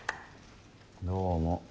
どうも。